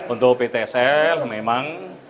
untuk ptsl memang